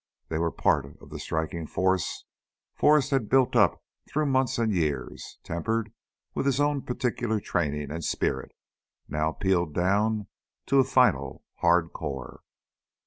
They were part of the striking force Forrest had built up through months and years tempered with his own particular training and spirit now peeled down to a final hard core.